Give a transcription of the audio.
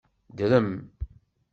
Drem.